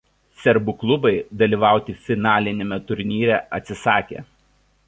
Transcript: Serbų klubai dalyvauti finaliniame turnyre atsisakė.